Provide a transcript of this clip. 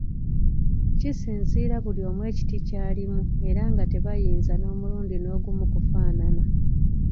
Kisinziira buli omu ekiti kyalimu era nga tebayinza nomulundi nogumu kufaanana.